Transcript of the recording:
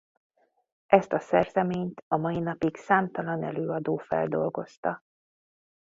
Ezt a szerzeményt a mai napig számtalan előadó feldolgozta.